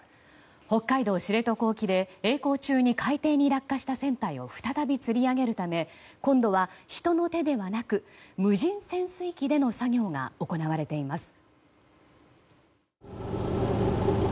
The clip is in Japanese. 北海道知床沖で曳航中に海底に落下した船体を再びつり上げるため今度は人の手ではなく無人潜水機での作業が行われています。